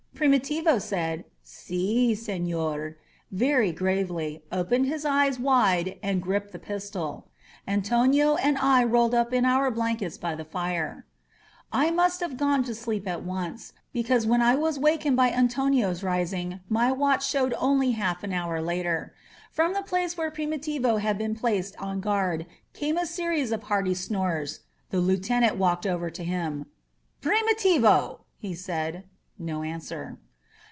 Primi tivo said, "iSi, seHor^*^ very gravely, opened his eyes wide, and gripped the pistol. Antonio and I rolled up in our blankets by the fire. I must have gone to sleep at once, because when I 166 INSURGENT MEXICO was wakened by Antonio's rising, my watch showed only half an hour later. From the place where Primitivo had been placed on guard came a series of hearty snores. The lieutenant walked over to him. "Primitivo!" he said. No answer.